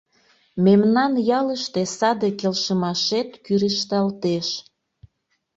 Мемнан ялыште саде келшымашет кӱрышталтеш.